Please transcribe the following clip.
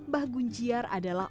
bah gunjiar adalah